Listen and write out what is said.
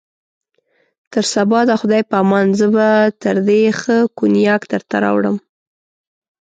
تر سبا د خدای په امان، زه به تر دې ښه کونیاک درته راوړم.